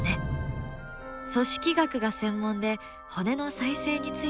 組織学が専門で骨の再生について研究しています。